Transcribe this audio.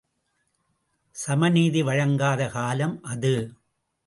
சமநீதி வழங்காத காலம் அது.